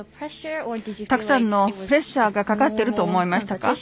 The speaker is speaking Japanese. たくさんのプレッシャーがかかっていると思いましたか？